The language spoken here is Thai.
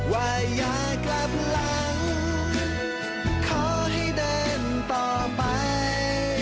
ว่าอย่ากลับหลังขอให้เดินต่อไป